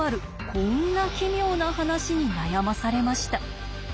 こんな奇妙な話に悩まされました。